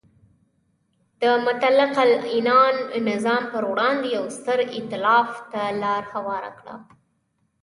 د مطلقه العنان نظام پر وړاندې یو ستر ایتلاف ته لار هواره کړه.